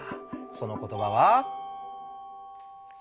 その言葉は。